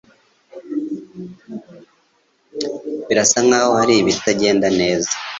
Birasa nkaho hari ibitagenda neza.